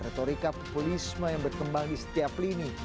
retorika populisme yang berkembang di setiap lini